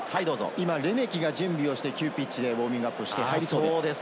レメキが準備して急ピッチでウオーミングアップしています。